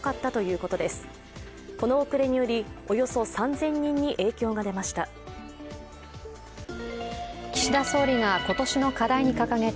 この遅れによりおよそ３０００人に影響が出ました。